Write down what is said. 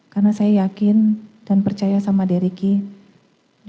karena saya yakin dan percaya sama ricky